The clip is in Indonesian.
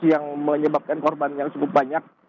yang menyebabkan korban yang cukup banyak